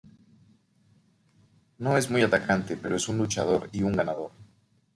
No es muy atacante, pero es un luchador y un ganador.